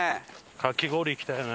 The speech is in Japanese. かき氷いきたいね。